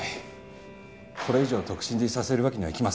これ以上独身でいさせるわけにはいきません。